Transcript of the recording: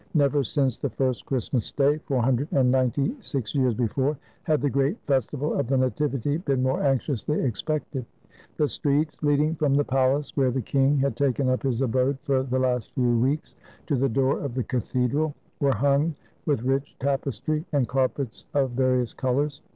Never since the first Christmas Day, four hundred and ninety six years before, had the great festival of the Nativity been more anxiously expected. The streets leading from the palace — where the king had taken up his abode for the last few weeks — to the door of the cathedral, were hung with rich tapestry and carpets of various colors.